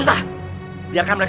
saya harus membantu mereka